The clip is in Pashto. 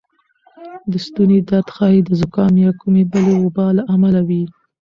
د ستونې درد ښایې د زکام یا کومې بلې وبا له امله وې